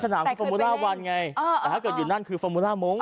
หนังฟอร์มูล่าวันไงแต่ถ้าเกิดอยู่นั่นคือฟอร์มูล่ามงค